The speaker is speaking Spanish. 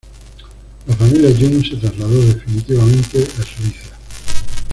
La familia Jung se trasladó definitivamente a Suiza.